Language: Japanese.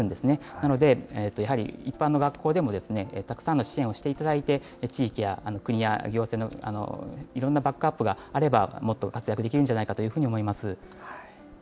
なので、やはり一般の学校でもたくさんの支援をしていただいて、地域や国や行政のいろんなバックアップがあればもっと活躍できるんじゃないかと思います。